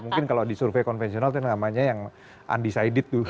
mungkin kalau di survei konvensional itu namanya yang undecided tuh